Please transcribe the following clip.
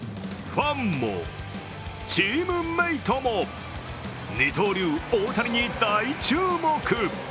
ファンも、チームメートも二刀流・大谷に大注目。